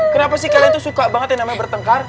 kenapa sih kalian tuh suka banget yang namanya bertengkar